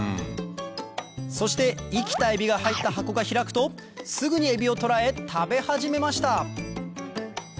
そして生きたエビが入った箱が開くとすぐにエビを捕らえ食べ始めました